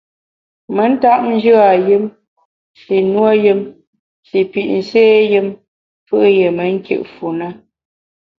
Me ntap njù a yùm, shi nuo yùm, shi pit nsé yùm fù’ yié me nkit fu ne.